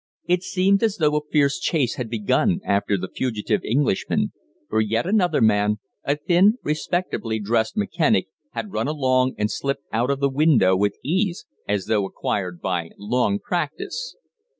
It seemed as though a fierce chase had begun after the fugitive Englishman, for yet another man, a thin, respectably dressed mechanic, had run along and slipped out of the window with ease as though acquired by long practice.